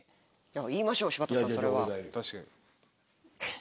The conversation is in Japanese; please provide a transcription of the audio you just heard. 言いましょう柴田さんそれは。